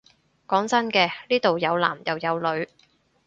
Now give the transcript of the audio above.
講真嘅，呢度有男又有女